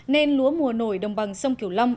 nên lúa mùa nổi đồng bằng sông kiểu long